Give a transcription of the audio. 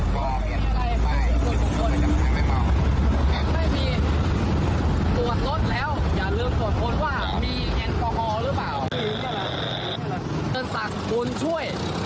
เติดสักบุญช่วย